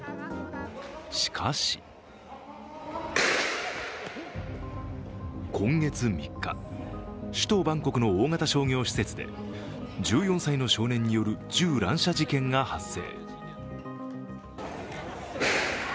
しかし、今月３日、首都バンコクの大型商業施設で１４歳の少年による銃乱射事件が発生。